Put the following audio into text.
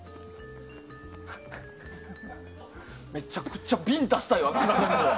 めちゃくちゃビンタしたいわ。